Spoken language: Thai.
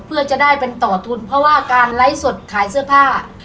เพื่อจะได้เป็นต่อทุนเพราะว่าการไลฟ์สดขายเสื้อผ้า